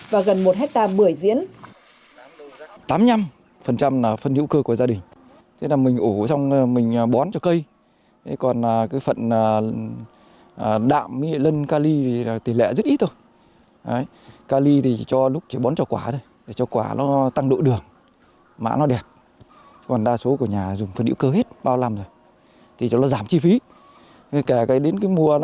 vải thiều xuất khẩu và gần một hectare bưởi diễn